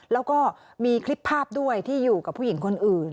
แล้วก็มีคลิปภาพด้วยที่อยู่กับผู้หญิงคนอื่น